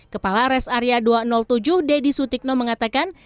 kepala res area dua ratus tujuh deddy sutikno mengatakan